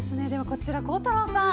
こちら孝太郎さん